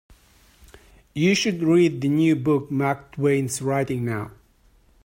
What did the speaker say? You should read the new book Mark Twain's writing now.